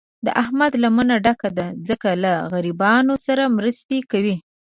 د احمد لمنه ډکه ده، ځکه له غریبانو سره مرستې کوي.